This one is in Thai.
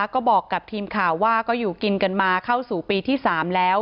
ก็บอกกับทีมข่าวว่าก็อยู่กินกันมาเข้าสู่ปีที่๓แล้ว